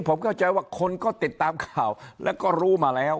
ผมเข้าใจว่าคนก็ติดตามข่าวแล้วก็รู้มาแล้ว